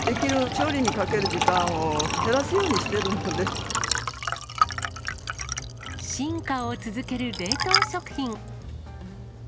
調理にかける時間を減らすように進化を続ける冷凍食品。